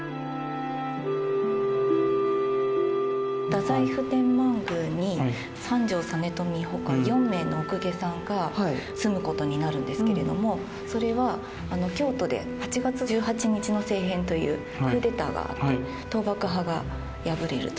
太宰府天満宮に三条実美他４名のお公家さんが住むことになるんですけれどもそれは京都で「八月十八日の政変」というクーデターがあって倒幕派が敗れるというか。